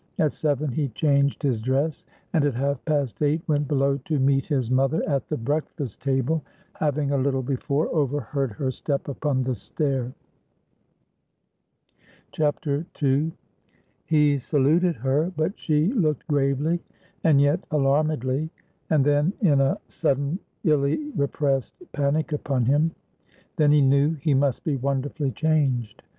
At seven he changed his dress; and at half past eight went below to meet his mother at the breakfast table, having a little before overheard her step upon the stair. II. He saluted her; but she looked gravely and yet alarmedly, and then in a sudden, illy repressed panic, upon him. Then he knew he must be wonderfully changed.